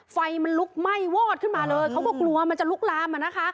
ไฟมันลุกไหม้วอดขึ้นมาเลยเขาก็กลัวมันจะลุกลามอ่ะนะคะ